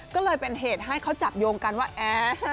ก็เลยเป็นเหตุให้เขาจับโยงกันว่าแอร์